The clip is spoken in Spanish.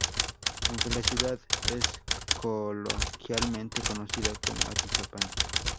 Aunque la ciudad es coloquialmente conocida como Atizapán.